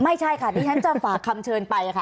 ไม่ใช่ค่ะดิฉันจะฝากคำเชิญไปค่ะ